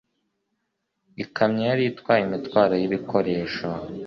Ikamyo yari itwaye imitwaro y'ibikoresho.